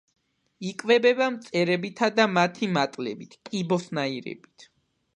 იკვებება მწერებითა და მათი მატლებით, კიბოსნაირებით.